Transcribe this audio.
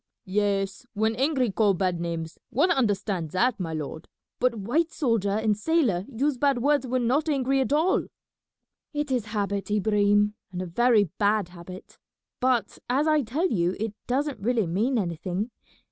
"Yes, when angry call bad names, one understand that, my lord; but white soldier and sailor use bad words when not angry at all." "It is habit, Ibrahim, and a very bad habit; but, as I tell you, it doesn't really mean anything.